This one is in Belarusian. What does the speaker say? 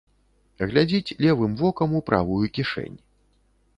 Глядзіць левым вокам у правую кішэнь.